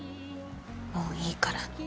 もういいから。